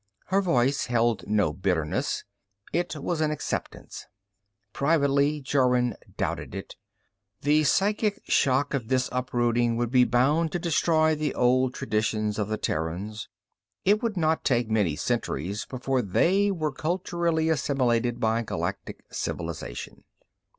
Her voice held no bitterness; it was an acceptance. Privately, Jorun doubted it. The psychic shock of this uprooting would be bound to destroy the old traditions of the Terrans; it would not take many centuries before they were culturally assimilated by Galactic civilization.